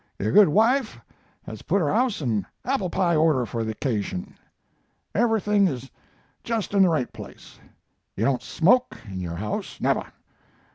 Yure good wife has put her house in apple pie order for the ockashun; everything is just in the right place. Yu don't smoke in yure house, never.